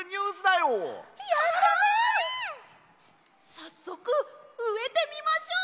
さっそくうえてみましょう！